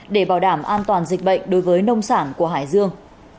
để bảo đảm an toàn dịch bệnh đối với nông sản của hải dương